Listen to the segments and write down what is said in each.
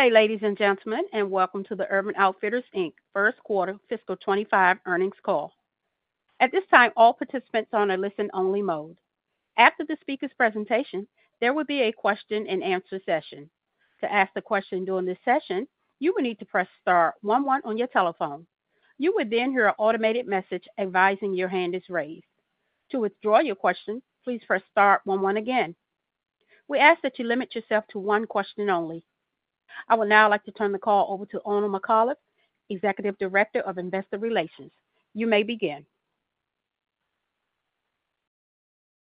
Good day, ladies and gentlemen, and welcome to the Urban Outfitters, Inc. First Quarter Fiscal 2025 Earnings Call. At this time, all participants are on a listen-only mode. After the speaker's presentation, there will be a question-and-answer session. To ask a question during this session, you will need to press star one one on your telephone. You will then hear an automated message advising your hand is raised. To withdraw your question, please press star one one again. We ask that you limit yourself to one question only. I would now like to turn the call over to Oona McCullough, Executive Director of Investor Relations. You may begin.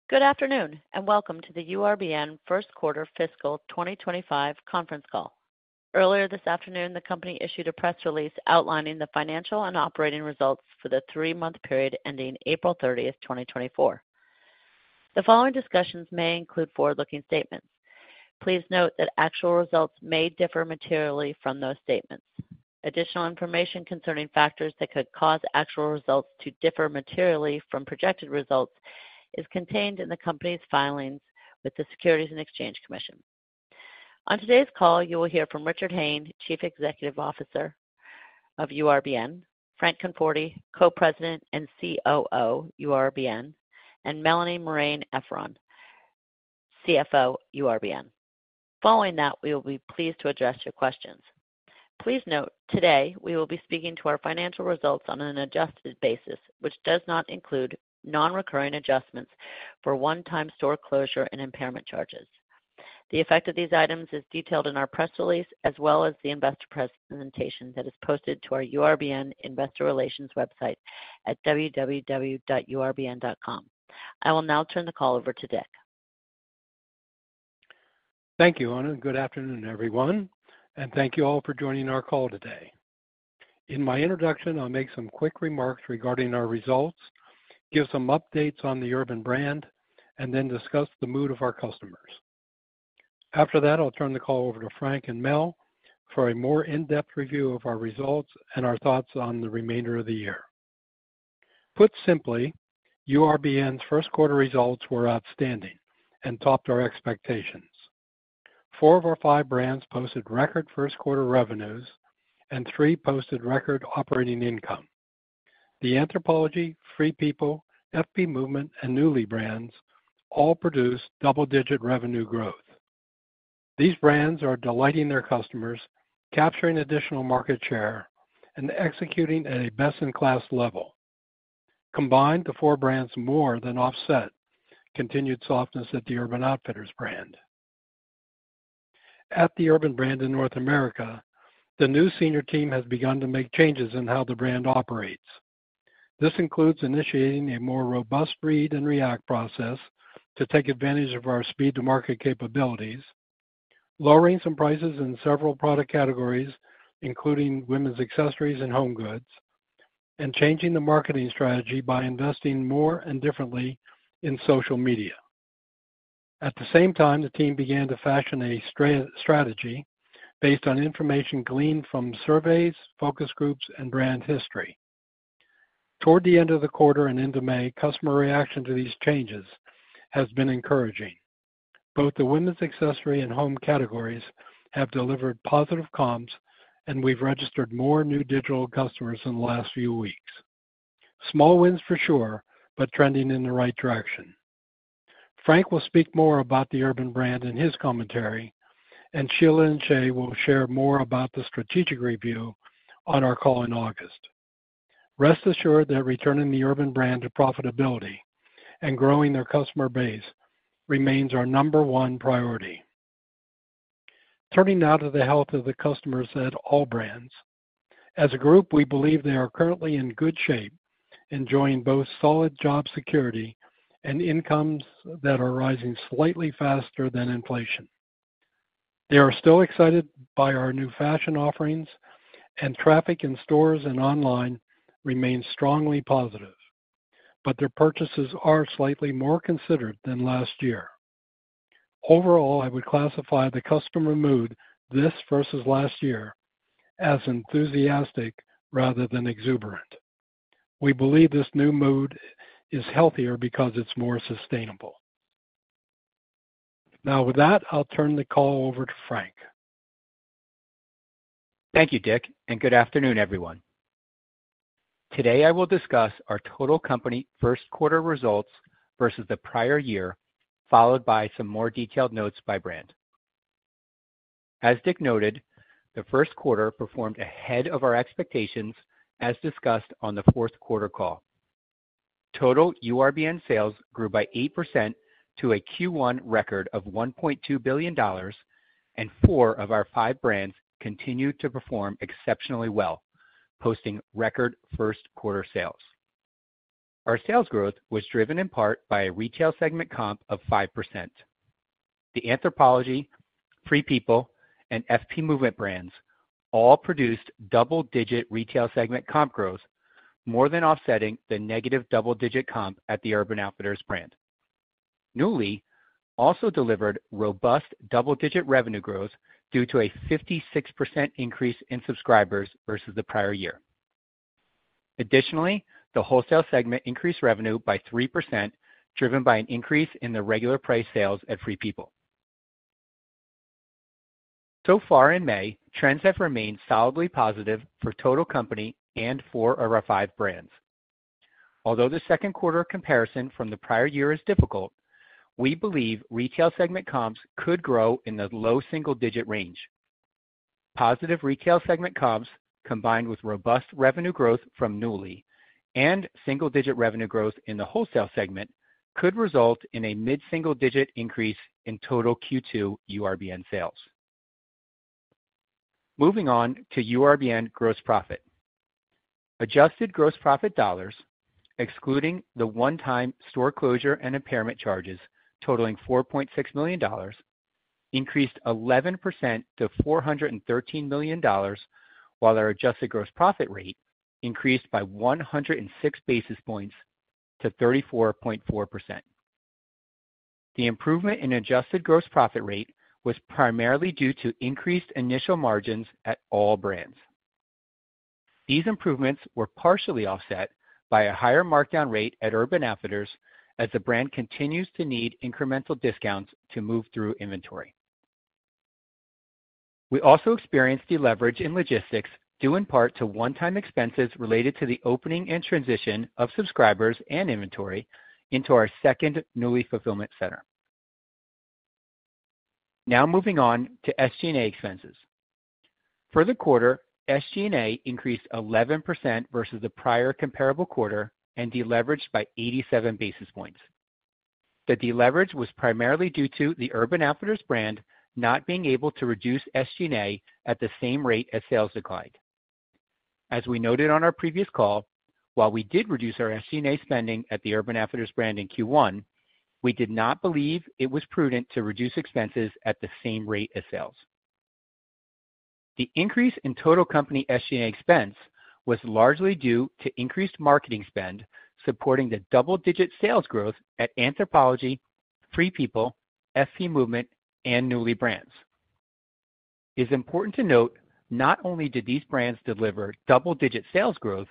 Good afternoon, and welcome to the URBN First Quarter Fiscal 2025 conference call. Earlier this afternoon, the company issued a press release outlining the financial and operating results for the three-month period ending April 30th, 2024. The following discussions may include forward-looking statements. Please note that actual results may differ materially from those statements. Additional information concerning factors that could cause actual results to differ materially from projected results is contained in the company's filings with the Securities and Exchange Commission. On today's call, you will hear from Richard Hayne, Chief Executive Officer of URBN; Frank Conforti, Co-President and COO of URBN; and Melanie Marein-Efron, CFO of URBN. Following that, we will be pleased to address your questions. Please note, today we will be speaking to our financial results on an adjusted basis, which does not include non-recurring adjustments for one-time store closure and impairment charges. The effect of these items is detailed in our press release, as well as the investor presentation that is posted to our URBN Investor Relations website at www.urbn.com. I will now turn the call over to Dick. Thank you, Oona, good afternoon, everyone, and thank you all for joining our call today. In my introduction, I'll make some quick remarks regarding our results, give some updates on the Urban brand, and then discuss the mood of our customers. After that, I'll turn the call over to Frank and Mel for a more in-depth review of our results and our thoughts on the remainder of the year. Put simply, URBN's first quarter results were outstanding and topped our expectations. Four of our five brands posted record first quarter revenues, and three posted record operating income. The Anthropologie, Free People, FP Movement, and Nuuly brands all produced double-digit revenue growth. These brands are delighting their customers, capturing additional market share, and executing at a best-in-class level. Combined, the four brands more than offset continued softness at the Urban Outfitters brand. At the Urban brand in North America, the new senior team has begun to make changes in how the brand operates. This includes initiating a more robust read-and-react process to take advantage of our speed-to-market capabilities, lowering some prices in several product categories, including women's accessories and home goods, and changing the marketing strategy by investing more and differently in social media. At the same time, the team began to fashion a strategy based on information gleaned from surveys, focus groups, and brand history. Toward the end of the quarter and into May, customer reaction to these changes has been encouraging. Both the women's accessory and home categories have delivered positive comps, and we've registered more new digital customers in the last few weeks. Small wins for sure, but trending in the right direction. Frank will speak more about the Urban brand in his commentary, and Sheila and Shea will share more about the strategic review on our call in August. Rest assured that returning the Urban brand to profitability and growing their customer base remains our number one priority. Turning now to the health of the customers at all brands. As a group, we believe they are currently in good shape, enjoying both solid job security and incomes that are rising slightly faster than inflation. They are still excited by our new fashion offerings, and traffic in stores and online remains strongly positive, but their purchases are slightly more considered than last year. Overall, I would classify the customer mood this versus last year as enthusiastic rather than exuberant. We believe this new mood is healthier because it's more sustainable. Now, with that, I'll turn the call over to Frank. Thank you, Dick, and good afternoon, everyone. Today, I will discuss our total company first quarter results versus the prior year, followed by some more detailed notes by brand. As Dick noted, the first quarter performed ahead of our expectations, as discussed on the fourth quarter call. Total URBN sales grew by 8% to a Q1 record of $1.2 billion, and four of our five brands continued to perform exceptionally well, posting record first quarter sales. Our sales growth was driven in part by a retail segment comp of 5%. The Anthropologie, Free People, and FP Movement brands all produced double-digit retail segment comp growth, more than offsetting the negative double-digit comp at the Urban Outfitters brand. Nuuly also delivered robust double-digit revenue growth due to a 56% increase in subscribers versus the prior year.... Additionally, the wholesale segment increased revenue by 3%, driven by an increase in the regular price sales at Free People. So far in May, trends have remained solidly positive for total company and four of our five brands. Although the second quarter comparison from the prior year is difficult, we believe retail segment comps could grow in the low single-digit range. Positive retail segment comps, combined with robust revenue growth from Nuuly and single-digit revenue growth in the wholesale segment, could result in a mid-single-digit increase in total Q2 URBN sales. Moving on to URBN gross profit. Adjusted gross profit dollars, excluding the one-time store closure and impairment charges totaling $4.6 million, increased 11% to $413 million, while our adjusted gross profit rate increased by 106 basis points to 34.4%. The improvement in adjusted gross profit rate was primarily due to increased initial margins at all brands. These improvements were partially offset by a higher markdown rate at Urban Outfitters, as the brand continues to need incremental discounts to move through inventory. We also experienced deleverage in logistics, due in part to one-time expenses related to the opening and transition of subscribers and inventory into our second new fulfillment center. Now moving on to SG&A expenses. For the quarter, SG&A increased 11% versus the prior comparable quarter and deleveraged by 87 basis points. The deleverage was primarily due to the Urban Outfitters brand not being able to reduce SG&A at the same rate as sales declined. As we noted on our previous call, while we did reduce our SG&A spending at the Urban Outfitters brand in Q1, we did not believe it was prudent to reduce expenses at the same rate as sales. The increase in total company SG&A expense was largely due to increased marketing spend, supporting the double-digit sales growth at Anthropologie, Free People, FP Movement, and Nuuly Brands. It's important to note, not only did these brands deliver double-digit sales growth,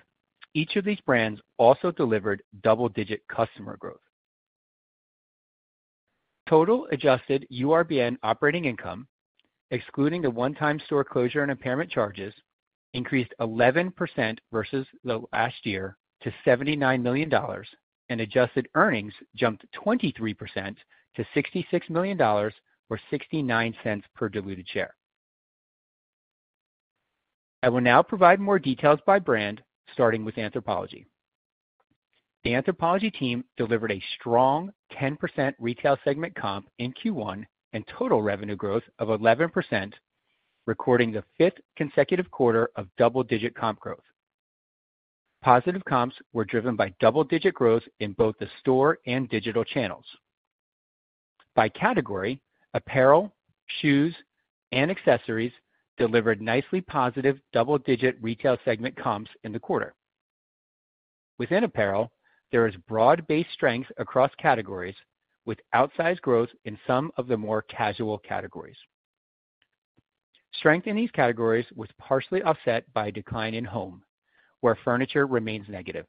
each of these brands also delivered double-digit customer growth. Total adjusted URBN operating income, excluding the one-time store closure and impairment charges, increased 11% versus the last year to $79 million, and adjusted earnings jumped 23% to $66 million, or $0.69 per diluted share. I will now provide more details by brand, starting with Anthropologie. The Anthropologie team delivered a strong 10% retail segment comp in Q1 and total revenue growth of 11%, recording the fifth consecutive quarter of double-digit comp growth. Positive comps were driven by double-digit growth in both the store and digital channels. By category, apparel, shoes, and accessories delivered nicely positive double-digit retail segment comps in the quarter. Within apparel, there is broad-based strength across categories, with outsized growth in some of the more casual categories. Strength in these categories was partially offset by a decline in home, where furniture remains negative.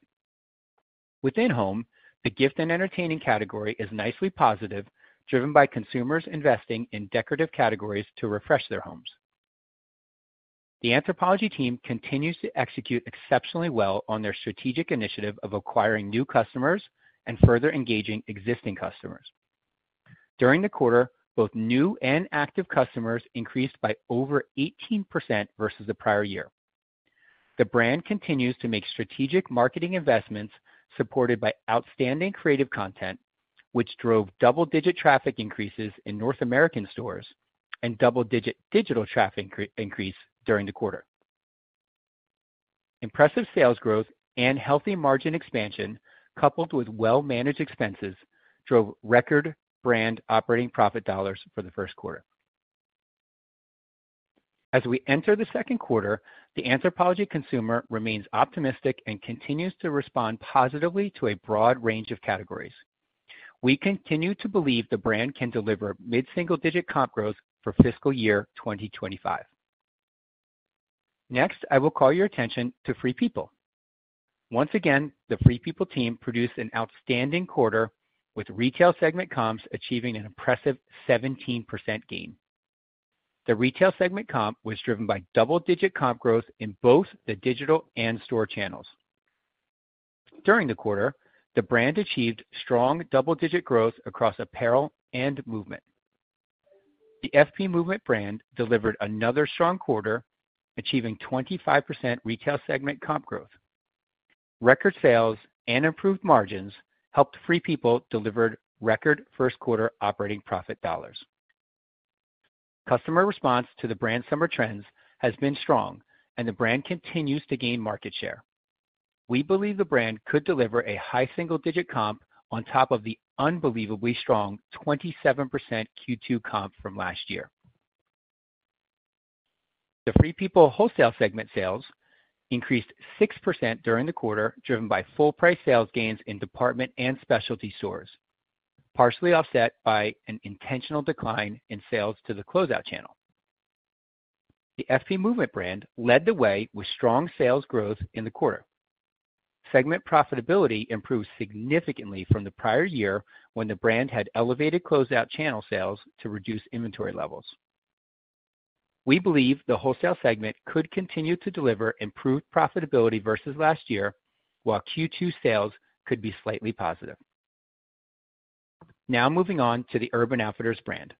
Within home, the gift and entertaining category is nicely positive, driven by consumers investing in decorative categories to refresh their homes. The Anthropologie team continues to execute exceptionally well on their strategic initiative of acquiring new customers and further engaging existing customers. During the quarter, both new and active customers increased by over 18% versus the prior year. The brand continues to make strategic marketing investments supported by outstanding creative content, which drove double-digit traffic increases in North American stores and double-digit digital traffic increase during the quarter. Impressive sales growth and healthy margin expansion, coupled with well-managed expenses, drove record brand operating profit dollars for the first quarter. As we enter the second quarter, the Anthropologie consumer remains optimistic and continues to respond positively to a broad range of categories. We continue to believe the brand can deliver mid-single-digit comp growth for fiscal year 2025. Next, I will call your attention to Free People. Once again, the Free People team produced an outstanding quarter with retail segment comps achieving an impressive 17% gain. The retail segment comp was driven by double-digit comp growth in both the digital and store channels. During the quarter, the brand achieved strong double-digit growth across apparel and movement. The FP Movement brand delivered another strong quarter, achieving 25% retail segment comp growth. Record sales and improved margins helped Free People delivered record first quarter operating profit dollars. Customer response to the brand summer trends has been strong, and the brand continues to gain market share. We believe the brand could deliver a high single-digit comp on top of the unbelievably strong 27% Q2 comp from last year. The Free People wholesale segment sales increased 6% during the quarter, driven by full price sales gains in department and specialty stores, partially offset by an intentional decline in sales to the closeout channel.... The FP Movement brand led the way with strong sales growth in the quarter. Segment profitability improved significantly from the prior year, when the brand had elevated closeout channel sales to reduce inventory levels. We believe the wholesale segment could continue to deliver improved profitability versus last year, while Q2 sales could be slightly positive. Now moving on to the Urban Outfitters brand.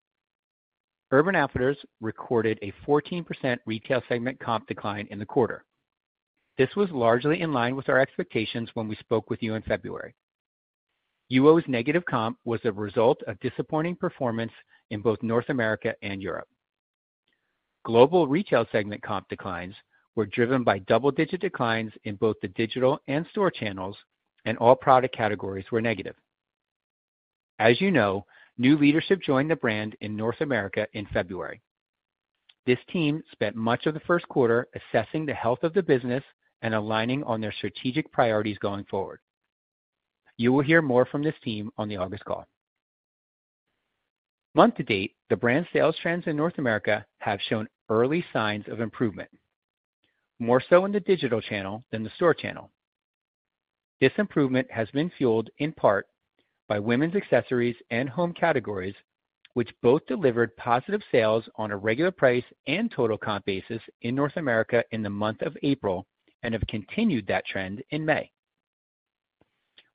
Urban Outfitters recorded a 14% retail segment comp decline in the quarter. This was largely in line with our expectations when we spoke with you in February. UO's negative comp was a result of disappointing performance in both North America and Europe. Global retail segment comp declines were driven by double-digit declines in both the digital and store channels, and all product categories were negative. As you know, new leadership joined the brand in North America in February. This team spent much of the first quarter assessing the health of the business and aligning on their strategic priorities going forward. You will hear more from this team on the August call. Month to date, the brand sales trends in North America have shown early signs of improvement, more so in the digital channel than the store channel. This improvement has been fueled in part by women's accessories and home categories, which both delivered positive sales on a regular price and total comp basis in North America in the month of April and have continued that trend in May.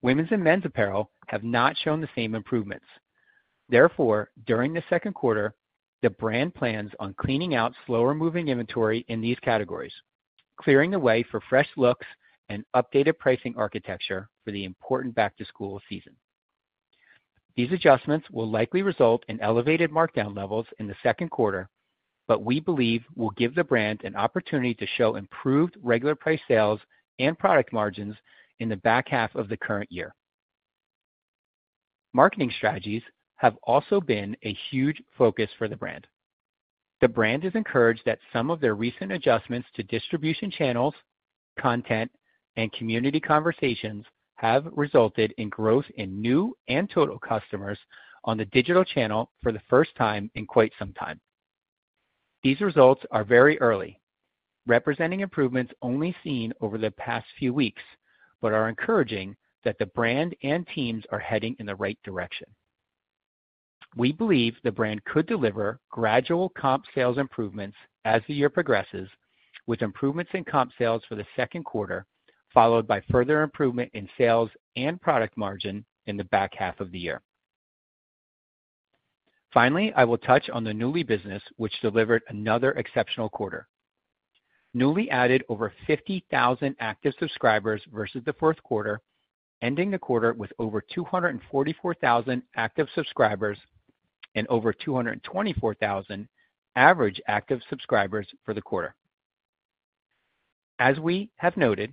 Women's and men's apparel have not shown the same improvements. Therefore, during the second quarter, the brand plans on cleaning out slower-moving inventory in these categories, clearing the way for fresh looks and updated pricing architecture for the important back-to-school season. These adjustments will likely result in elevated markdown levels in the second quarter, but we believe will give the brand an opportunity to show improved regular price sales and product margins in the back half of the current year. Marketing strategies have also been a huge focus for the brand. The brand is encouraged that some of their recent adjustments to distribution channels, content, and community conversations have resulted in growth in new and total customers on the digital channel for the first time in quite some time. These results are very early, representing improvements only seen over the past few weeks, but are encouraging that the brand and teams are heading in the right direction. We believe the brand could deliver gradual comp sales improvements as the year progresses, with improvements in comp sales for the second quarter, followed by further improvement in sales and product margin in the back half of the year. Finally, I will touch on the Nuuly business, which delivered another exceptional quarter. Nuuly added over 50,000 active subscribers versus the fourth quarter, ending the quarter with over 244,000 active subscribers and over 224,000 average active subscribers for the quarter. As we have noted,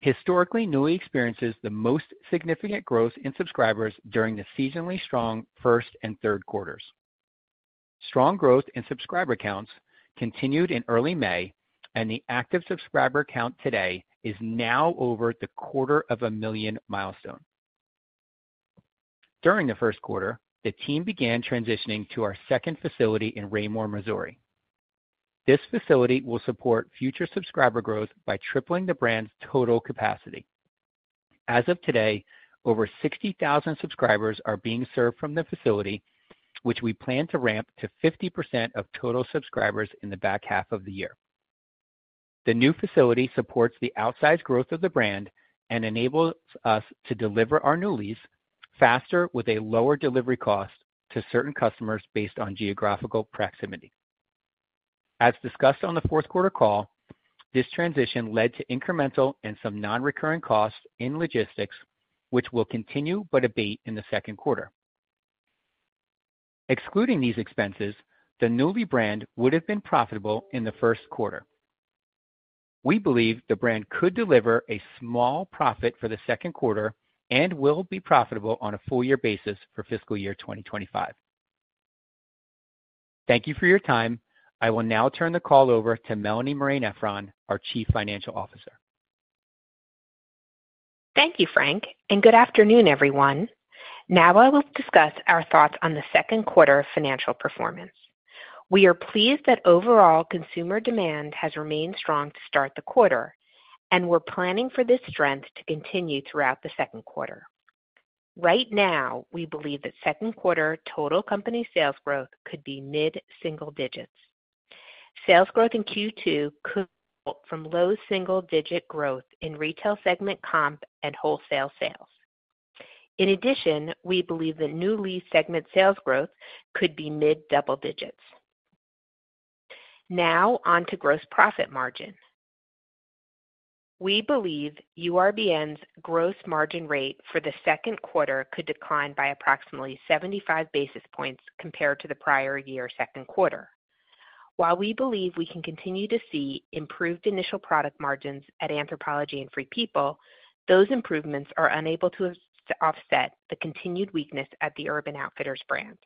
historically, Nuuly experiences the most significant growth in subscribers during the seasonally strong first and third quarters. Strong growth in subscriber counts continued in early May, and the active subscriber count today is now over the 250,000 milestone. During the first quarter, the team began transitioning to our second facility in Raymore, Missouri. This facility will support future subscriber growth by tripling the brand's total capacity. As of today, over 60,000 subscribers are being served from the facility, which we plan to ramp to 50% of total subscribers in the back half of the year. The new facility supports the outsized growth of the brand and enables us to deliver our Nuuly's faster, with a lower delivery cost to certain customers based on geographical proximity. As discussed on the fourth quarter call, this transition led to incremental and some non-recurring costs in logistics, which will continue but abate in the second quarter. Excluding these expenses, the Nuuly brand would have been profitable in the first quarter. We believe the brand could deliver a small profit for the second quarter and will be profitable on a full year basis for fiscal year 2025. Thank you for your time. I will now turn the call over to Melanie Marein-Efron, our Chief Financial Officer. Thank you, Frank, and good afternoon, everyone. Now I will discuss our thoughts on the second quarter financial performance. We are pleased that overall consumer demand has remained strong to start the quarter, and we're planning for this strength to continue throughout the second quarter. Right now, we believe that second quarter total company sales growth could be mid-single digits. Sales growth in Q2 could come from low single-digit growth in retail segment comp and wholesale sales. In addition, we believe the Nuuly segment sales growth could be mid-double digits. Now on to gross profit margin. We believe URBN's gross margin rate for the second quarter could decline by approximately 75 basis points compared to the prior year second quarter. While we believe we can continue to see improved initial product margins at Anthropologie and Free People, those improvements are unable to offset the continued weakness at the Urban Outfitters brand.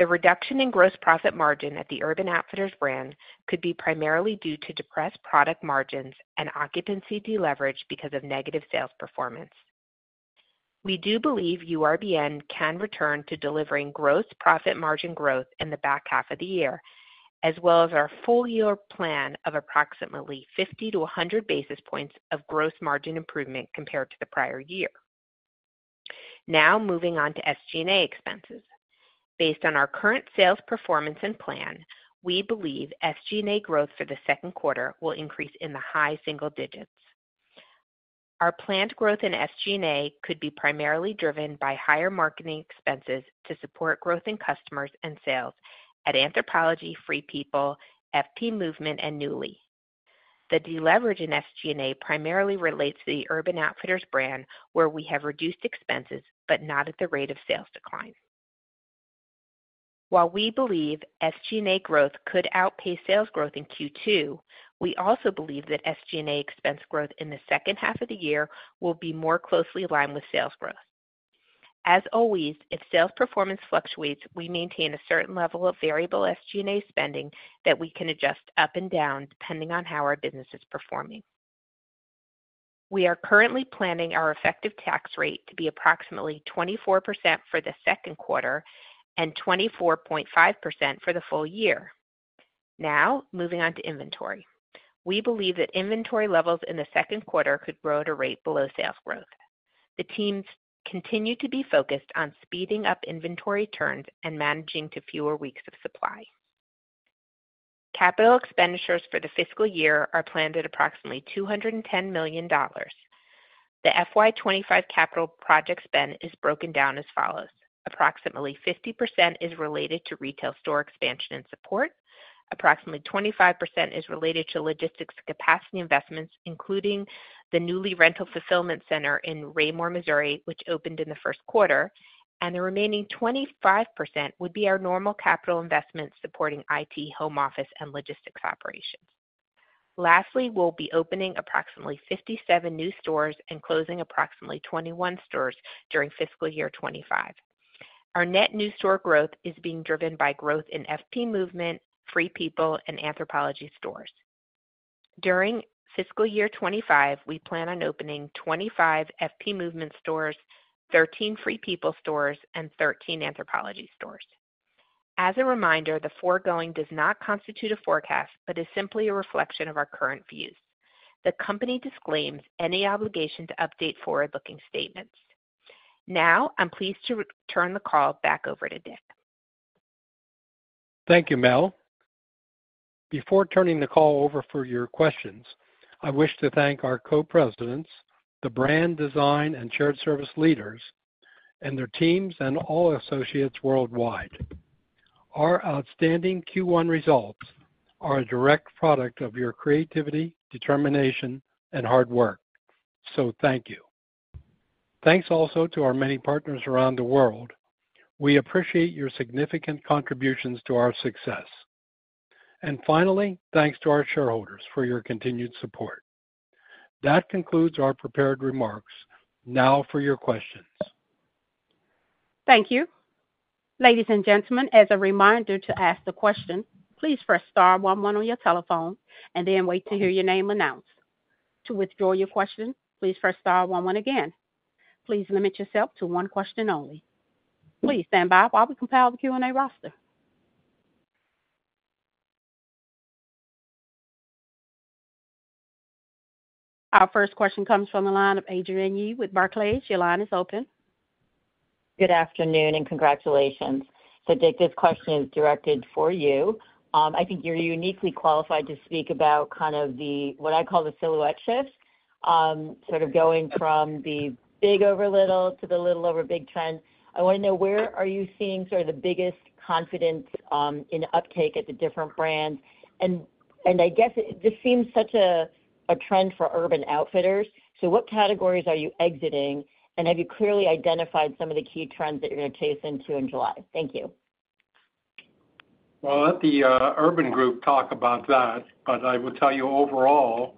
The reduction in gross profit margin at the Urban Outfitters brand could be primarily due to depressed product margins and occupancy deleverage because of negative sales performance. We do believe URBN can return to delivering gross profit margin growth in the back half of the year, as well as our full-year plan of approximately 50 basis points -100 basis points of gross margin improvement compared to the prior year. Now, moving on to SG&A expenses. Based on our current sales performance and plan, we believe SG&A growth for the second quarter will increase in the high single digits. Our planned growth in SG&A could be primarily driven by higher marketing expenses to support growth in customers and sales at Anthropologie, Free People, FP Movement, and Nuuly. The deleverage in SG&A primarily relates to the Urban Outfitters brand, where we have reduced expenses, but not at the rate of sales decline. While we believe SG&A growth could outpace sales growth in Q2, we also believe that SG&A expense growth in the second half of the year will be more closely aligned with sales growth. As always, if sales performance fluctuates, we maintain a certain level of variable SG&A spending that we can adjust up and down, depending on how our business is performing. We are currently planning our effective tax rate to be approximately 24% for the second quarter and 24.5% for the full year. Now, moving on to inventory. We believe that inventory levels in the second quarter could grow at a rate below sales growth. The teams continue to be focused on speeding up inventory turns and managing to fewer weeks of supply. Capital expenditures for the fiscal year are planned at approximately $210 million. The FY 2025 capital project spend is broken down as follows: approximately 50% is related to retail store expansion and support, approximately 25% is related to logistics capacity investments, including the Nuuly rental fulfillment center in Raymore, Missouri, which opened in the first quarter, and the remaining 25% would be our normal capital investment supporting IT, home office, and logistics operations. Lastly, we'll be opening approximately 57 new stores and closing approximately 21 stores during fiscal year 2025. Our net new store growth is being driven by growth in FP Movement, Free People, and Anthropologie stores. During fiscal year 2025, we plan on opening 25 FP Movement stores, 13 Free People stores, and 13 Anthropologie stores. As a reminder, the foregoing does not constitute a forecast, but is simply a reflection of our current views. The company disclaims any obligation to update forward-looking statements. Now, I'm pleased to return the call back over to Dick. Thank you, Mel. Before turning the call over for your questions, I wish to thank our co-presidents, the brand, design, and shared service leaders, and their teams, and all associates worldwide. Our outstanding Q1 results are a direct product of your creativity, determination, and hard work, so thank you. Thanks also to our many partners around the world. We appreciate your significant contributions to our success. Finally, thanks to our shareholders for your continued support. That concludes our prepared remarks. Now for your questions. Thank you. Ladies and gentlemen, as a reminder to ask the question, please press star one one on your telephone and then wait to hear your name announced. To withdraw your question, please press star one one again. Please limit yourself to one question only. Please stand by while we compile the Q&A roster. Our first question comes from the line of Adrienne Yih with Barclays. Your line is open. Good afternoon, and congratulations. So, Dick, this question is directed for you. I think you're uniquely qualified to speak about kind of the, what I call the silhouette shift, sort of going from the big over little to the little over big trend. I wanna know, where are you seeing sort of the biggest confidence, in uptake at the different brands? And, and I guess this seems such a, a trend for Urban Outfitters, so what categories are you exiting, and have you clearly identified some of the key trends that you're gonna chase into in July? Thank you. Well, I'll let the Urban group talk about that, but I will tell you overall,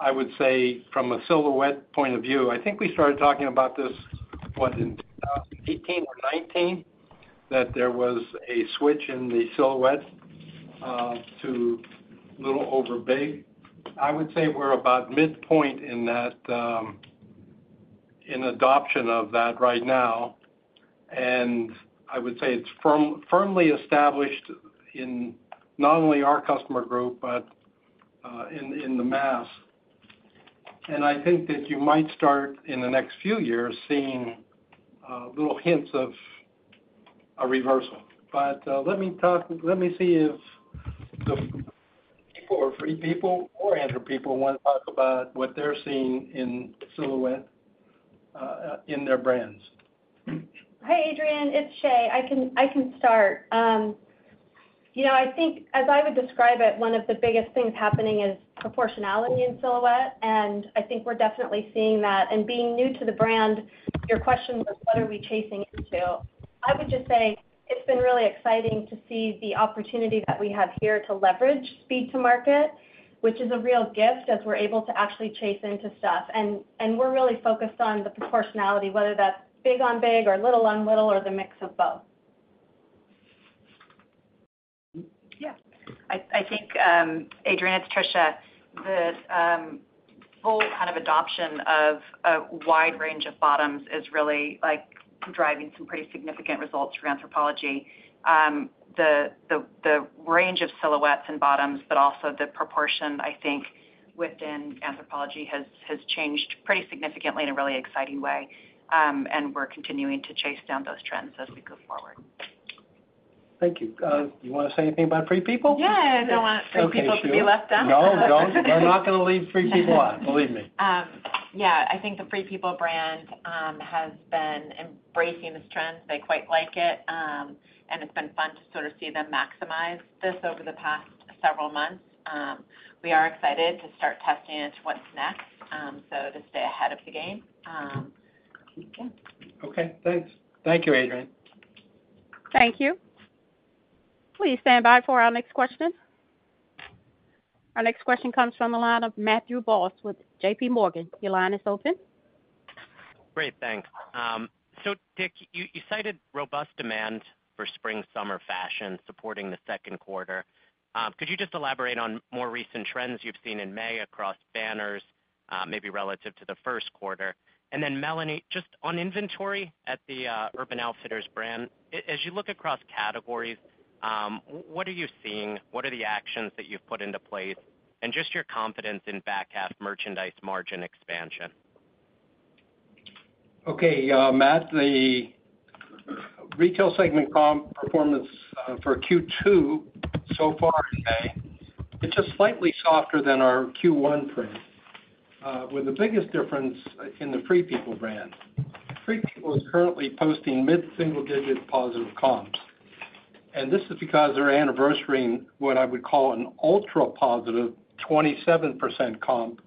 I would say from a silhouette point of view, I think we started talking about this, what, in 2018 or 2019, that there was a switch in the silhouette to little over big. I would say we're about midpoint in that in adoption of that right now, and I would say it's firmly established in not only our customer group, but in the mass. And I think that you might start, in the next few years, seeing little hints of a reversal. But let me see if the people of Free People or Anthropologie want to talk about what they're seeing in silhouette in their brands. Hi, Adrienne, it's Shea. I can start. You know, I think as I would describe it, one of the biggest things happening is proportionality in silhouette, and I think we're definitely seeing that. Being new to the brand, your question was, what are we chasing into? I would just say it's been really exciting to see the opportunity that we have here to leverage speed to market, which is a real gift as we're able to actually chase into stuff. We're really focused on the proportionality, whether that's big on big or little on little, or the mix of both. ... Yeah, I think, Adrienne, it's Tricia, the full kind of adoption of a wide range of bottoms is really, like, driving some pretty significant results for Anthropologie. The range of silhouettes and bottoms, but also the proportion, I think, within Anthropologie has changed pretty significantly in a really exciting way. And we're continuing to chase down those trends as we go forward. Thank you. Do you wanna say anything about Free People? Yeah, I don't want Free People to be left out. No, don't. We're not gonna leave Free People out, believe me. Yeah, I think the Free People brand has been embracing this trend. They quite like it, and it's been fun to sort of see them maximize this over the past several months. We are excited to start testing into what's next, so to stay ahead of the game. Yeah. Okay, thanks. Thank you, Adrienne. Thank you. Please stand by for our next question. Our next question comes from the line of Matthew Boss with JPMorgan. Your line is open. Great, thanks. So Dick, you, you cited robust demand for spring, summer fashion supporting the second quarter. Could you just elaborate on more recent trends you've seen in May across banners, maybe relative to the first quarter? And then, Melanie, just on inventory at the Urban Outfitters brand, as you look across categories, what are you seeing? What are the actions that you've put into place? And just your confidence in back half merchandise margin expansion. Okay, Matt, the retail segment comp performance, for Q2 so far in May, it's just slightly softer than our Q1 frame, with the biggest difference in the Free People brand. Free People is currently posting mid-single digit positive comps, and this is because they're anniversarying what I would call an ultra positive 27% comp,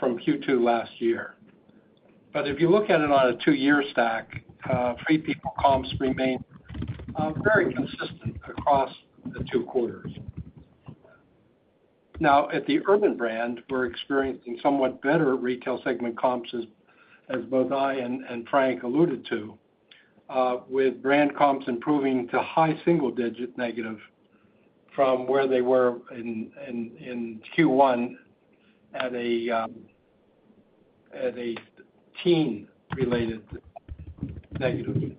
from Q2 last year. But if you look at it on a two-year stack, Free People comps remain, very consistent across the two quarters. Now, at the Urban brand, we're experiencing somewhat better retail segment comps, as both I and Frank alluded to, with brand comps improving to high single digit negative from where they were in Q1 at a teen-related negative.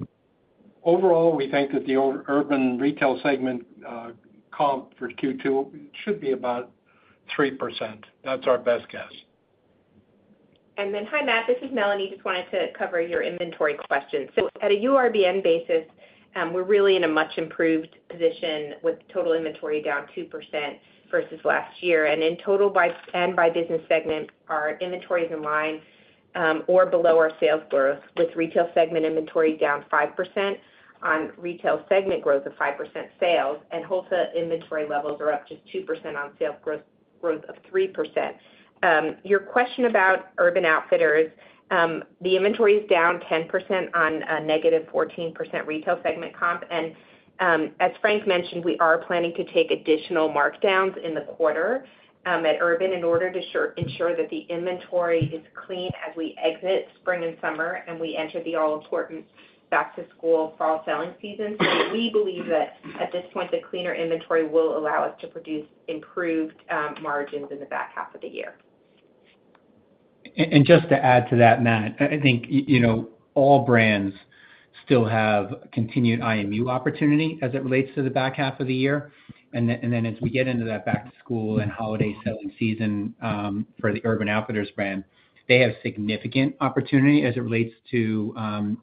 Overall, we think that the Urban retail segment, comp for Q2 should be about 3%. That's our best guess. Hi, Matt, this is Melanie. Just wanted to cover your inventory question. So at a URBN basis, we're really in a much improved position with total inventory down 2% versus last year. And in total, by business segment, our inventory is in line or below our sales growth, with retail segment inventory down 5% on retail segment growth of 5% sales, and wholesale inventory levels are up just 2% on sales growth of 3%. Your question about Urban Outfitters, the inventory is down 10% on a negative 14% retail segment comp. As Frank mentioned, we are planning to take additional markdowns in the quarter at Urban in order to ensure that the inventory is clean as we exit spring and summer, and we enter the all-important back-to-school fall selling season. So we believe that, at this point, the cleaner inventory will allow us to produce improved margins in the back half of the year. And just to add to that, Matt, I think, you know, all brands still have continued IMU opportunity as it relates to the back half of the year. And then as we get into that back to school and holiday selling season, for the Urban Outfitters brand, they have significant opportunity as it relates to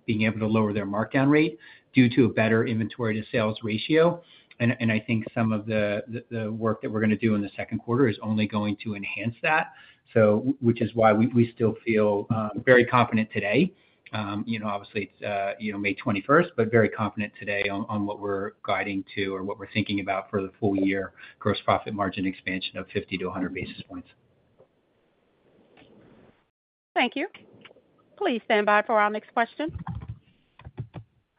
being able to lower their markdown rate due to a better inventory to sales ratio. And I think some of the work that we're gonna do in the second quarter is only going to enhance that, so which is why we still feel very confident today. You know, obviously, it's, you know, 21st May, but very confident today on what we're guiding to or what we're thinking about for the full year gross profit margin expansion of 50 basis points-100 basis points. Thank you. Please stand by for our next question.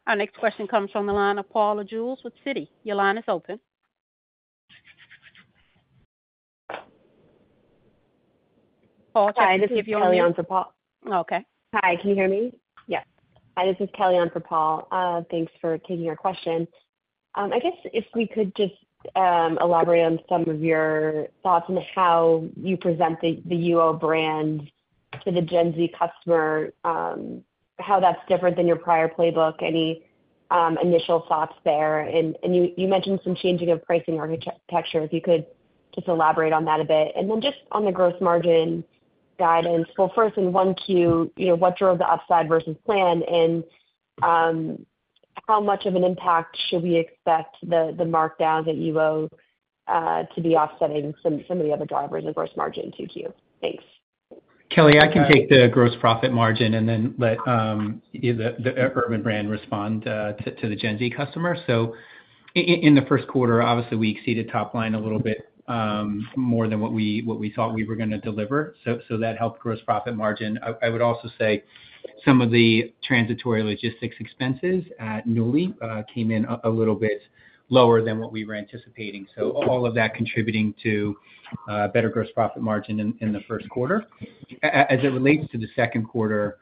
Our next question comes from the line of Paul Lejuez with Citi. Your line is open. Paul, I think you're- Hi, this is Kelly on for Paul. Okay. Hi, can you hear me? Yes. Hi, this is Kelly on for Paul. Thanks for taking our question. I guess if we could just elaborate on some of your thoughts on how you present the UA brand to the Gen Z customer, how that's different than your prior playbook, any initial thoughts there? And you mentioned some changing of pricing architecture, if you could just elaborate on that a bit. And then just on the gross margin guidance, well, first in Q1, you know, what drove the upside versus plan? And how much of an impact should we expect the markdown that you owe to be offsetting some of the other drivers of gross margin in Q2? Thanks. Kelly, I can take the gross profit margin and then let the Urban brand respond to the Gen Z customer. In the first quarter, obviously, we exceeded top line a little bit more than what we thought we were gonna deliver. So that helped gross profit margin. I would also say some of the transitory logistics expenses at Nuuly came in a little bit lower than what we were anticipating. So all of that contributing to better gross profit margin in the first quarter. As it relates to the second quarter,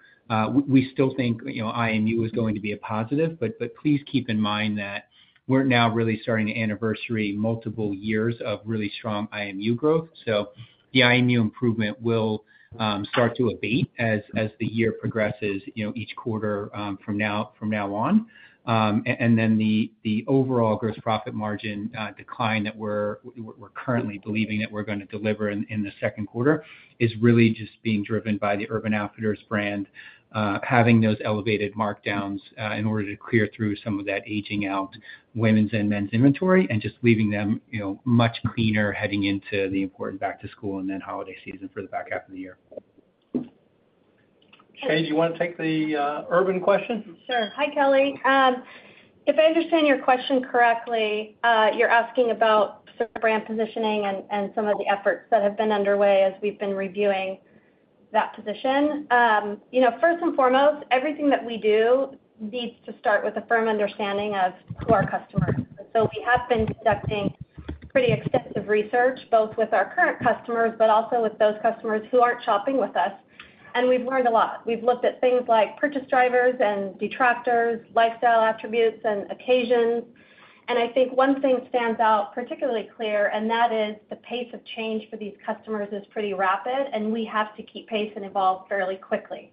we still think, you know, IMU is going to be a positive, but please keep in mind that we're now really starting to anniversary multiple years of really strong IMU growth. So the IMU improvement will start to abate as the year progresses, you know, each quarter from now on. And then the overall gross profit margin decline that we're currently believing that we're gonna deliver in the second quarter is really just being driven by the Urban Outfitters brand having those elevated markdowns in order to clear through some of that aging out women's and men's inventory and just leaving them, you know, much cleaner heading into the important back to school and then holiday season for the back half of the year. Shea, do you wanna take the Urban question? Sure. Hi, Kelly. If I understand your question correctly, you're asking about some brand positioning and, and some of the efforts that have been underway as we've been reviewing that position. You know, first and foremost, everything that we do needs to start with a firm understanding of who are our customers. So we have been conducting pretty extensive research, both with our current customers, but also with those customers who aren't shopping with us, and we've learned a lot. We've looked at things like purchase drivers and detractors, lifestyle attributes, and occasions. And I think one thing stands out particularly clear, and that is the pace of change for these customers is pretty rapid, and we have to keep pace and evolve fairly quickly.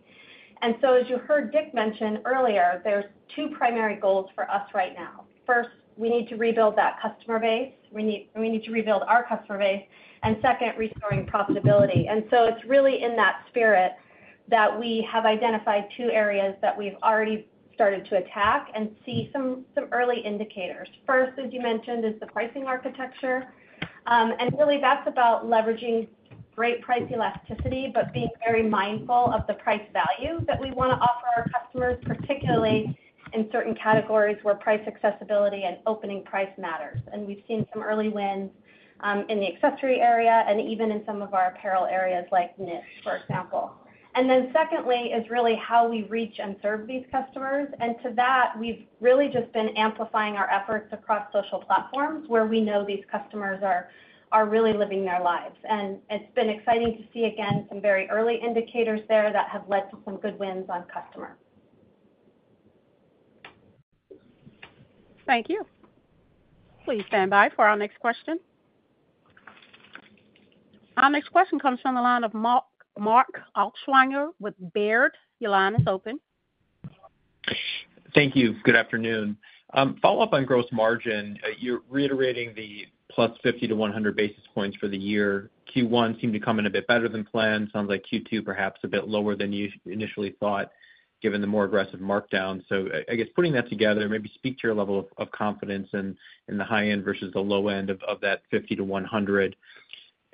And so, as you heard Dick mention earlier, there's two primary goals for us right now. First, we need to rebuild that customer base. We need to rebuild our customer base, and second, restoring profitability. So it's really in that spirit that we have identified two areas that we've already started to attack and see some early indicators. First, as you mentioned, is the pricing architecture. Really, that's about leveraging great price elasticity, but being very mindful of the price value that we wanna offer our customers, particularly in certain categories where price accessibility and opening price matters. We've seen some early wins in the accessory area and even in some of our apparel areas, like knit, for example. Then secondly, is really how we reach and serve these customers. To that, we've really just been amplifying our efforts across social platforms, where we know these customers are really living their lives. It's been exciting to see, again, some very early indicators there that have led to some good wins on customer. Thank you. Please stand by for our next question. Our next question comes from the line of Mark Altschwager with Baird. Your line is open. Thank you. Good afternoon. Follow-up on gross margin. You're reiterating the +50-100 basis points for the year. Q1 seemed to come in a bit better than planned. Sounds like Q2, perhaps a bit lower than you initially thought, given the more aggressive markdown. So I, I guess putting that together, maybe speak to your level of, of confidence in, in the high end versus the low end of, of that 50-100. And,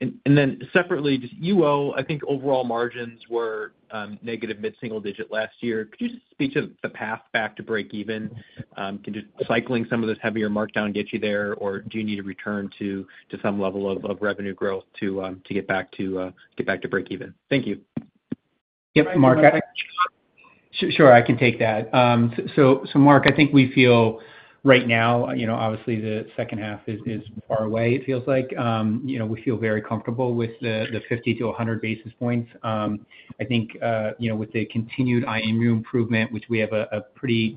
and then separately, just UO, I think overall margins were negative mid-single digit last year. Could you just speak to the path back to break even? Can just cycling some of this heavier markdown get you there, or do you need to return to, to some level of, of revenue growth to, to get back to, get back to break even? Thank you. Yep, Mark. Sure, I can take that. So Mark, I think we feel right now, you know, obviously the second half is far away, it feels like. You know, we feel very comfortable with the 50 basis points -100 basis points. I think, you know, with the continued IMU improvement, which we have a pretty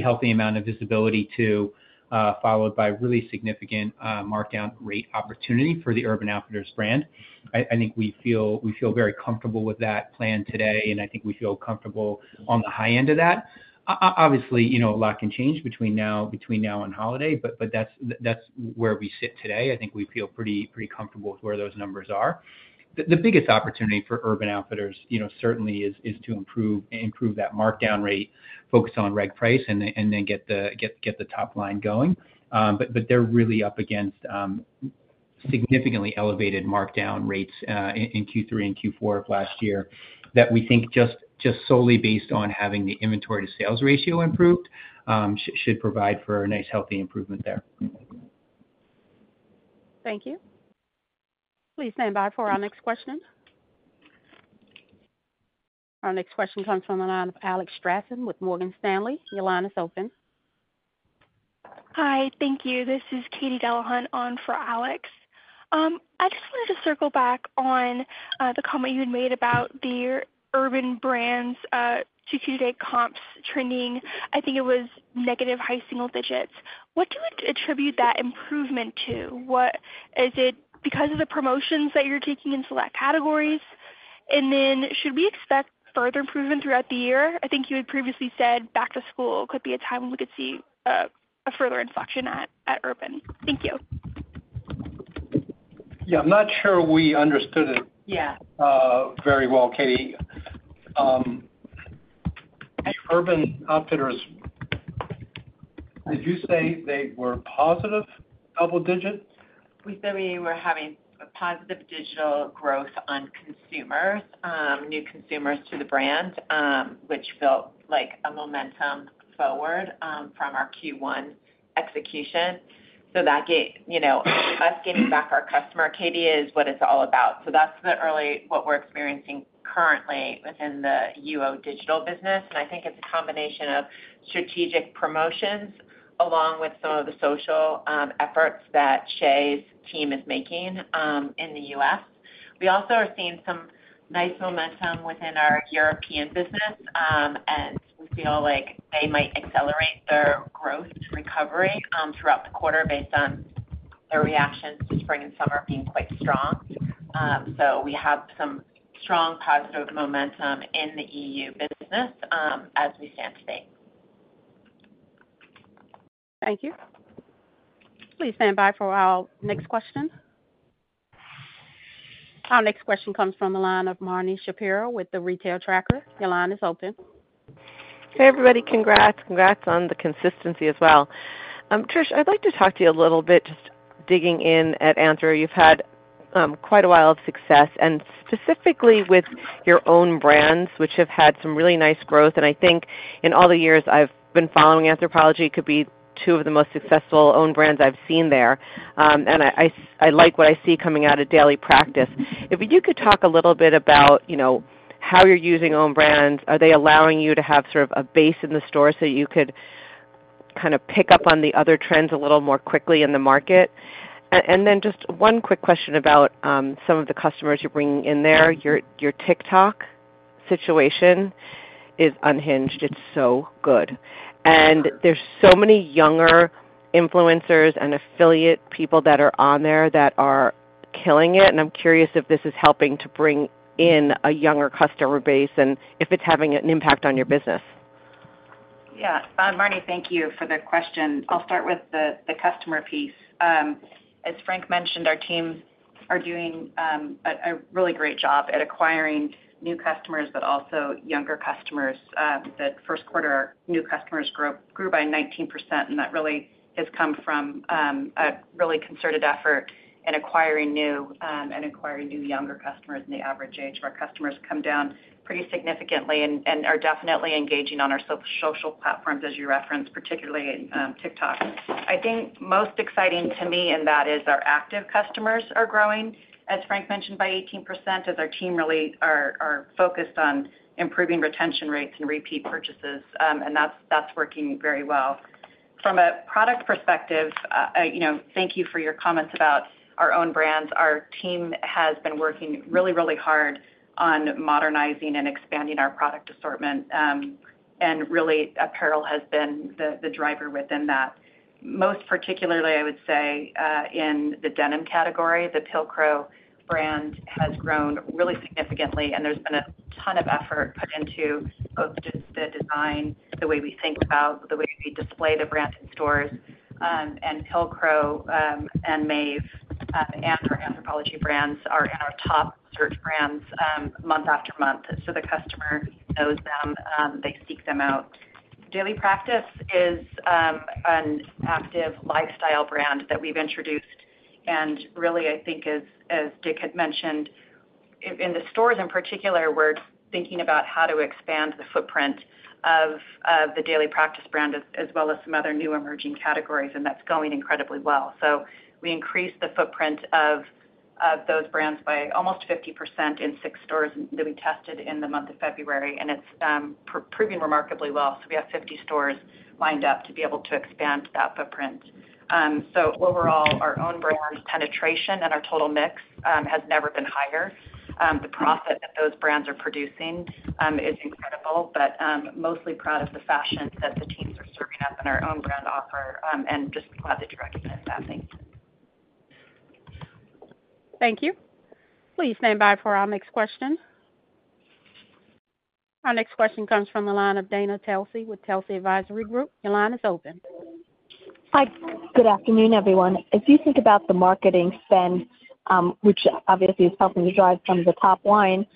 healthy amount of visibility to, followed by really significant markdown rate opportunity for the Urban Outfitters brand. I think we feel very comfortable with that plan today, and I think we feel comfortable on the high end of that. Obviously, you know, a lot can change between now and holiday, but that's where we sit today. I think we feel pretty comfortable with where those numbers are. The biggest opportunity for Urban Outfitters, you know, certainly is to improve that markdown rate, focus on reg price, and then get the top line going. But they're really up against significantly elevated markdown rates in Q3 and Q4 of last year, that we think just solely based on having the inventory to sales ratio improved, should provide for a nice, healthy improvement there. Thank you. Please stand by for our next question. Our next question comes from the line of Alex Straton with Morgan Stanley. Your line is open. Hi, thank you. This is Katy Delahunt on for Alex. I just wanted to circle back on the comment you had made about the Urban brand's Q2-to-date comps trending. I think it was negative high single digits. What do you attribute that improvement to? What is it because of the promotions that you're taking into that categories? And then, should we expect further improvement throughout the year? I think you had previously said back to school could be a time when we could see a further inflection at Urban. Thank you. Yeah, I'm not sure we understood it. Yeah. Very well, Katie. Urban Outfitters, did you say they were positive double digits?... We said we were having a positive digital growth on consumers, new consumers to the brand, which felt like a momentum forward, from our Q1 execution. So that you know, us getting back our customer, Katie, is what it's all about. So that's the early, what we're experiencing currently within the UO digital business. And I think it's a combination of strategic promotions, along with some of the social efforts that Shea's team is making, in the U.S. We also are seeing some nice momentum within our European business, and we feel like they might accelerate their growth recovery, throughout the quarter based on their reactions to spring and summer being quite strong. So we have some strong positive momentum in the EU business, as we stand today. Thank you. Please stand by for our next question. Our next question comes from the line of Marni Shapiro with the Retail Tracker. Your line is open. Hey, everybody. Congrats. Congrats on the consistency as well. Trish, I'd like to talk to you a little bit, just digging in at Anthro. You've had quite a while of success, and specifically with your own brands, which have had some really nice growth. And I think in all the years I've been following Anthropologie, could be two of the most successful own brands I've seen there. And I like what I see coming out of Daily Practice. If you could talk a little bit about, you know, how you're using own brands, are they allowing you to have sort of a base in the store so you could kind of pick up on the other trends a little more quickly in the market? And then just one quick question about some of the customers you're bringing in there. Your TikTok situation is unhinged. It's so good. There's so many younger influencers and affiliate people that are on there that are killing it, and I'm curious if this is helping to bring in a younger customer base and if it's having an impact on your business. Yeah. Marni, thank you for the question. I'll start with the customer piece. As Frank mentioned, our teams are doing a really great job at acquiring new customers, but also younger customers. That first quarter, new customers grew by 19%, and that really has come from a really concerted effort in acquiring new and acquiring new younger customers, and the average age of our customers come down pretty significantly and are definitely engaging on our social platforms, as you referenced, particularly TikTok. I think most exciting to me in that is our active customers are growing, as Frank mentioned, by 18%, as our team really are focused on improving retention rates and repeat purchases. And that's working very well. From a product perspective, you know, thank you for your comments about our own brands. Our team has been working really, really hard on modernizing and expanding our product assortment, and really, apparel has been the driver within that. Most particularly, I would say, in the denim category, the Pilcro brand has grown really significantly, and there's been a ton of effort put into both just the design, the way we think about, the way we display the brand in stores. And Pilcro, and Maeve, and our Anthropologie brands are in our top search brands month after month. So the customer knows them, they seek them out. Daily Practice is an active lifestyle brand that we've introduced, and really, I think as Dick had mentioned, in the stores in particular, we're thinking about how to expand the footprint of the Daily Practice brand, as well as some other new emerging categories, and that's going incredibly well. So we increased the footprint of those brands by almost 50% in six stores that we tested in the month of February, and it's proving remarkably well. So we have 50 stores lined up to be able to expand that footprint. So overall, our own brands penetration and our total mix has never been higher. The profit that those brands are producing is incredible, but mostly proud of the fashion that the teams are sourcing up in our own brand offer, and just glad that you recognize that. Thank you. Thank you. Please stand by for our next question. Our next question comes from the line of Dana Telsey with Telsey Advisory Group. Your line is open. Hi. Good afternoon, everyone. If you think about the marketing spend, which obviously is helping to drive some of the top line,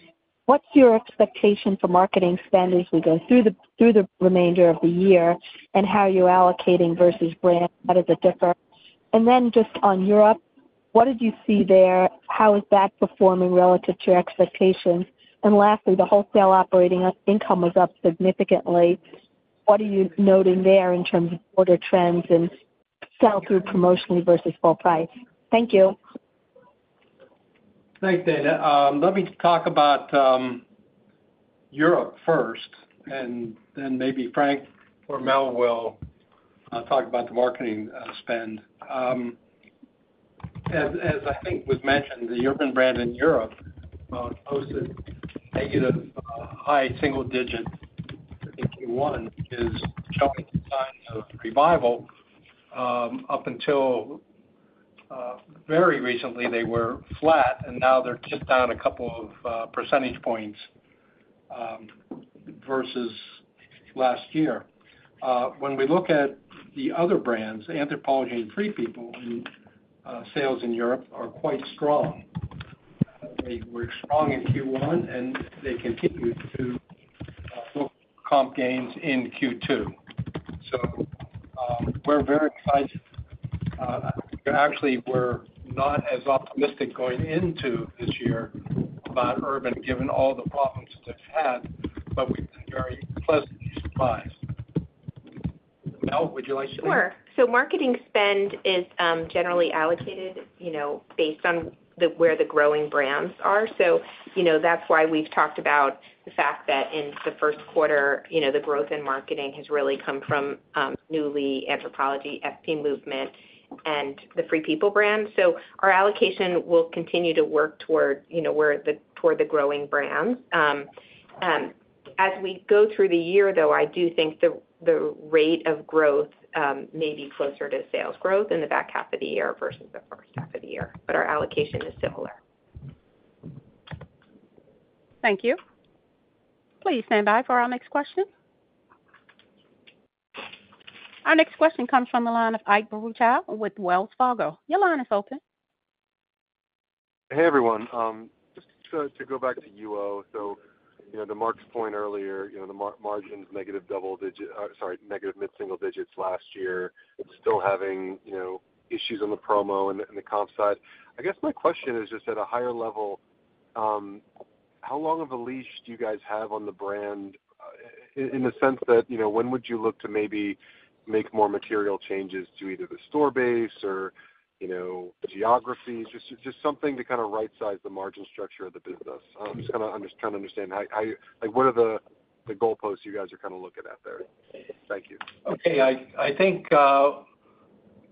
what's your expectation for marketing spend as we go through the remainder of the year, and how are you allocating versus brand? How does it differ? And then just on Europe, what did you see there? How is that performing relative to your expectations? And lastly, the wholesale operating income was up significantly. What are you noting there in terms of order trends and sell-through promotionally versus full price? Thank you. Thanks, Dana. Let me talk about Europe first, and then maybe Frank or Mel will talk about the marketing spend. As I think was mentioned, the Urban brand in Europe posted negative high single digit in Q1, is showing signs of revival. Up until very recently, they were flat, and now they're tipped down a couple of percentage points versus last year. When we look at the other brands, Anthropologie and Free People in sales in Europe are quite strong.... they were strong in Q1, and they continued to book comp gains in Q2. So, we're very excited. Actually, we're not as optimistic going into this year about Urban, given all the problems that they've had, but we've been very pleasantly surprised. Mel, would you like to- Sure. So marketing spend is generally allocated, you know, based on where the growing brands are. So, you know, that's why we've talked about the fact that in the first quarter, you know, the growth in marketing has really come from Nuuly, Anthropologie, FP Movement, and the Free People brand. So our allocation will continue to work toward, you know, where the toward the growing brands. As we go through the year, though, I do think the rate of growth may be closer to sales growth in the back half of the year versus the first half of the year, but our allocation is similar. Thank you. Please stand by for our next question. Our next question comes from the line of Ike Boruchow with Wells Fargo. Your line is open. Hey, everyone, just to go back to UO. So, you know, to Mark's point earlier, you know, the margins, negative double digit, sorry, negative mid-single digits last year, and still having, you know, issues on the promo and the comp side. I guess my question is just at a higher level, how long of a leash do you guys have on the brand, in the sense that, you know, when would you look to maybe make more material changes to either the store base or, you know, the geography? Just something to kind of rightsize the margin structure of the business. Just kinda, I'm just trying to understand how, like, what are the goalposts you guys are kind of looking at there? Thank you. Okay. I think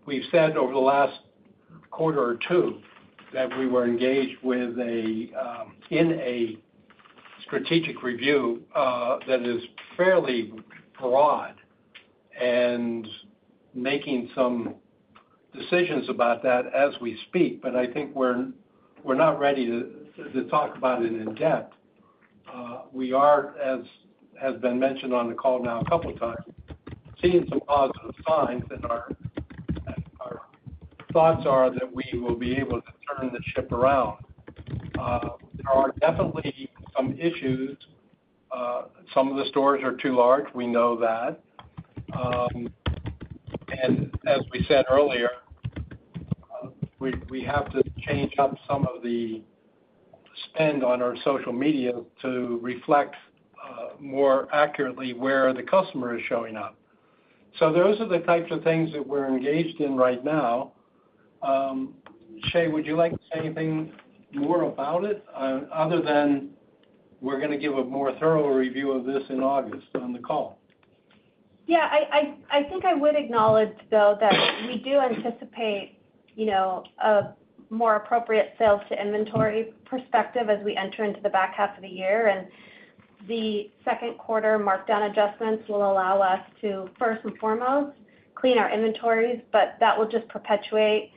we've said over the last quarter or two that we were engaged in a strategic review that is fairly broad and making some decisions about that as we speak, but I think we're not ready to talk about it in depth. We are, as has been mentioned on the call now a couple times, seeing some positive signs, and our thoughts are that we will be able to turn the ship around. There are definitely some issues. Some of the stores are too large, we know that. And as we said earlier, we have to change up some of the spend on our social media to reflect more accurately where the customer is showing up. So those are the types of things that we're engaged in right now. Shea, would you like to say anything more about it, other than we're gonna give a more thorough review of this in August on the call? Yeah, I think I would acknowledge, though, that we do anticipate, you know, a more appropriate sales to inventory perspective as we enter into the back half of the year. And the second quarter markdown adjustments will allow us to, first and foremost, clean our inventories, but that will just perpetuate,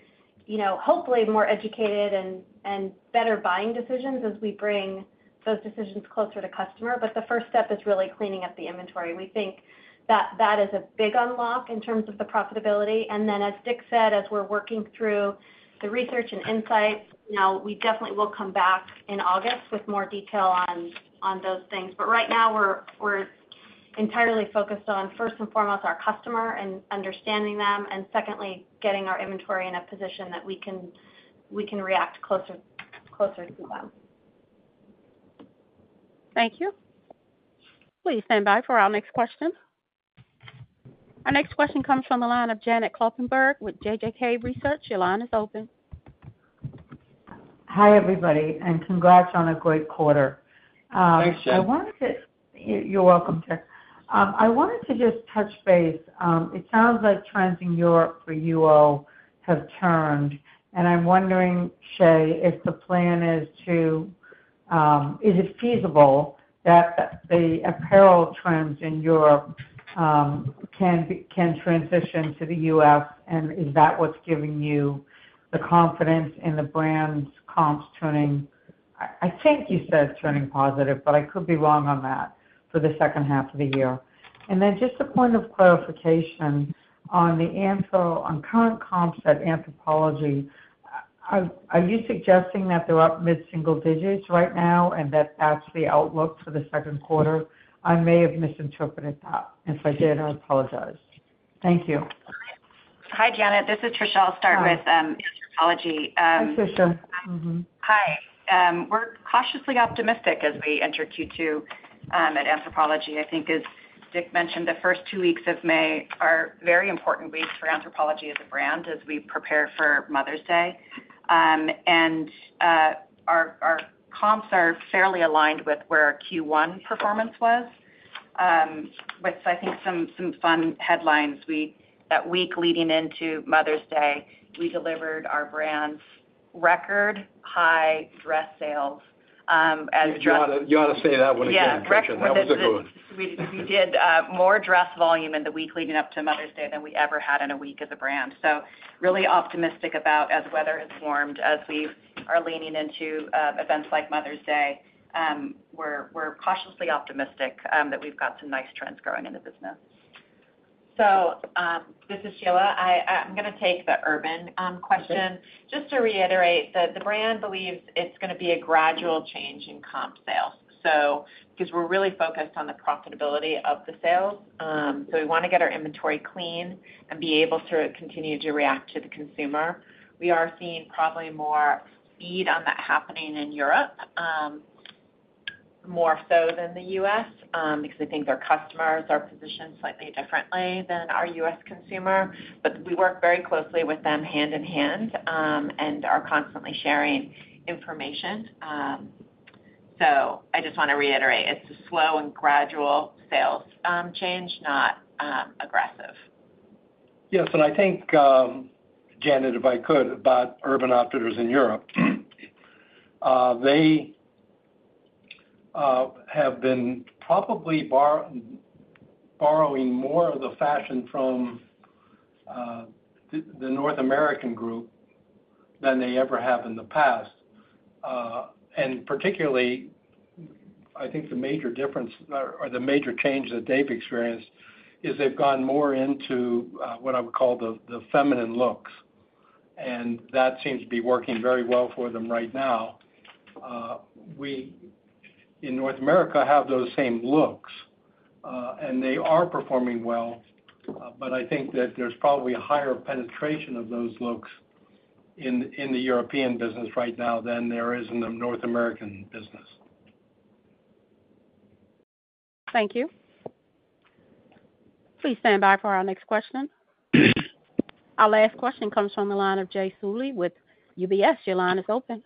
you know, hopefully, more educated and better buying decisions as we bring those decisions closer to customer. But the first step is really cleaning up the inventory. We think that that is a big unlock in terms of the profitability. And then, as Dick said, as we're working through the research and insights, now, we definitely will come back in August with more detail on those things. But right now, we're entirely focused on, first and foremost, our customer and understanding them, and secondly, getting our inventory in a position that we can react closer to them. Thank you. Please stand by for our next question. Our next question comes from the line of Janet Kloppenburg with JJK Research. Your line is open. Hi, everybody, and congrats on a great quarter. Thanks, Janet. You're welcome, Dick. I wanted to just touch base. It sounds like trends in Europe for UO have turned, and I'm wondering, Shea, if the plan is to, is it feasible that the apparel trends in Europe can transition to the U.S., and is that what's giving you the confidence in the brand's comps turning, I think you said turning positive, but I could be wrong on that, for the second half of the year? And then just a point of clarification on the Anthro. On current comps at Anthropologie, are you suggesting that they're up mid-single digits right now, and that's actually outlook for the second quarter? I may have misinterpreted that. If I did, I apologize. Thank you. Hi, Janet. This is Trish. Hi. I'll start with Anthropologie. Hi, Tricia. Mm-hmm. Hi. We're cautiously optimistic as we enter Q2 at Anthropologie. I think, as Dick mentioned, the first two weeks of May are very important weeks for Anthropologie as a brand, as we prepare for Mother's Day. Our comps are fairly aligned with where our Q1 performance was, with, I think, some fun headlines. That week leading into Mother's Day, we delivered our brand's record-high dress sales, as dress- You ought to, you ought to say that one again, Tricia. Yeah, record- That was a good one. We did more dress volume in the week leading up to Mother's Day than we ever had in a week as a brand. So really optimistic about as weather has warmed, as we are leaning into events like Mother's Day, we're cautiously optimistic that we've got some nice trends growing in the business. ... So, this is Sheila. I, I'm gonna take the Urban question. Just to reiterate that the brand believes it's gonna be a gradual change in comp sales. So 'cause we're really focused on the profitability of the sales, so we wanna get our inventory clean and be able to continue to react to the consumer. We are seeing probably more speed on that happening in Europe, more so than the U.S., because we think their customers are positioned slightly differently than our U.S. consumer. But we work very closely with them hand in hand, and are constantly sharing information. So I just wanna reiterate, it's a slow and gradual sales change, not aggressive. Yes, and I think, Janet, if I could, about Urban Outfitters in Europe. They have been probably borrowing more of the fashion from the North American group than they ever have in the past. And particularly, I think the major difference or the major change that they've experienced is they've gone more into what I would call the feminine looks, and that seems to be working very well for them right now. We, in North America, have those same looks, and they are performing well, but I think that there's probably a higher penetration of those looks in the European business right now than there is in the North American business. Thank you. Please stand by for our next question. Our last question comes from the line of Jay Sole with UBS. Your line is open.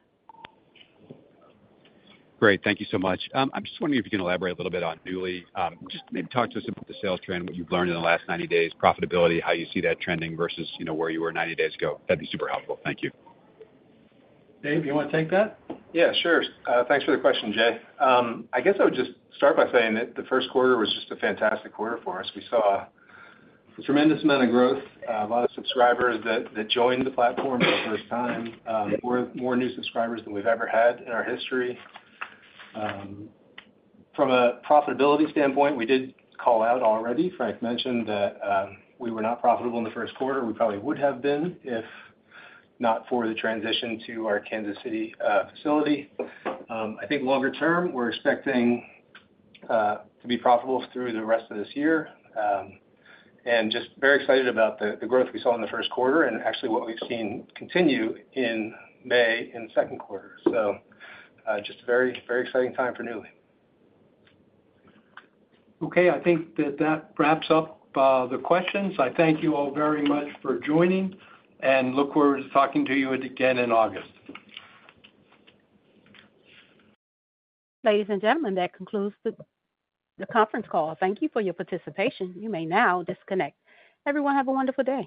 Great. Thank you so much. I'm just wondering if you can elaborate a little bit on Nuuly. Just maybe talk to us about the sales trend, what you've learned in the last 90 days, profitability, how you see that trending versus, you know, where you were 90 days ago. That'd be super helpful. Thank you. Dave, you wanna take that? Yeah, sure. Thanks for the question, Jay. I guess I would just start by saying that the first quarter was just a fantastic quarter for us. We saw a tremendous amount of growth, a lot of subscribers that, that joined the platform for the first time, more, more new subscribers than we've ever had in our history. From a profitability standpoint, we did call out already. Frank mentioned that, we were not profitable in the first quarter. We probably would have been if not for the transition to our Kansas City facility. I think longer term, we're expecting to be profitable through the rest of this year. And just very excited about the, the growth we saw in the first quarter and actually what we've seen continue in May in the second quarter. Just a very, very exciting time for Nuuly. Okay. I think that that wraps up the questions. I thank you all very much for joining, and look forward to talking to you again in August. Ladies and gentlemen, that concludes the conference call. Thank you for your participation. You may now disconnect. Everyone, have a wonderful day.